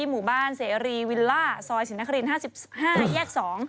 หมู่บ้านเสรีวิลล่าซอยสินนคริน๕๕แยก๒